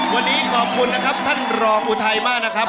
วันนี้ขอบคุณนะครับท่านรองอุทัยมากนะครับ